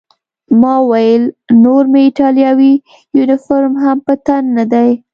ما وویل: نور مې ایټالوي یونیفورم هم په تن نه دی.